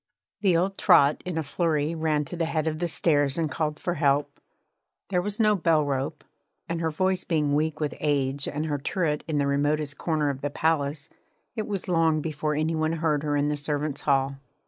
The old trot in a flurry ran to the head of the stairs and called for help. There was no bell rope, and, her voice being weak with age and her turret in the remotest corner of the palace, it was long before any one heard her in the servants' hall.